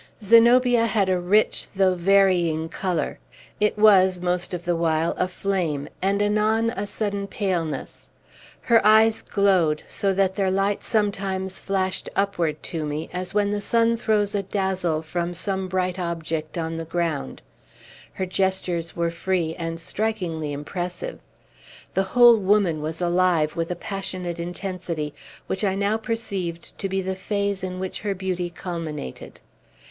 Zenobia had a rich though varying color. It was, most of the while, a flame, and anon a sudden paleness. Her eyes glowed, so that their light sometimes flashed upward to me, as when the sun throws a dazzle from some bright object on the ground. Her gestures were free, and strikingly impressive. The whole woman was alive with a passionate intensity, which I now perceived to be the phase in which her beauty culminated.